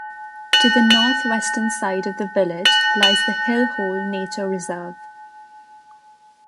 To the north-western side of the village lies the Hill Hole Nature Reserve.